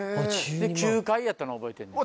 ９階やったのは覚えてんねん。